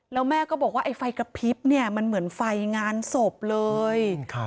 แล้วแม่ก็บอกว่าไอ้ไฟกระพริบเนี่ยมันเหมือนไฟงานศพเลย